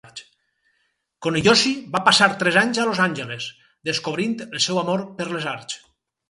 Kuniyoshi va passar tres anys a Los Angeles, descobrint el seu amor per les arts.